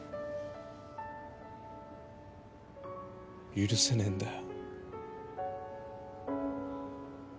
許せねえんだよ。